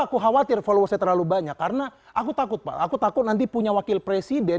aku khawatir followersnya terlalu banyak karena aku takut pak aku takut nanti punya wakil presiden